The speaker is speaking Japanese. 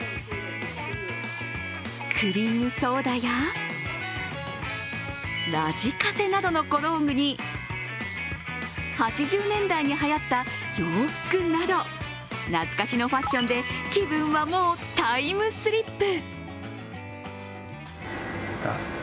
クリームソーダヤラジカセなどの小道具に８０年代にはやった洋服など懐かしのファッションで気分はもうタイムスリップ。